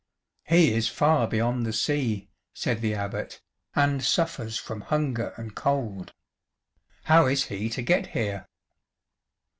"He is far beyond the sea," said the Abbot, "and suffers from hunger and cold. How is he to get here?"